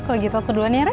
kalo gitu aku duluan ya ray